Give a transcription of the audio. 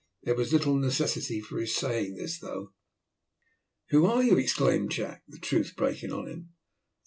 There was little necessity for his saying this though. "Who are you?" exclaimed Jack, the truth breaking oh him.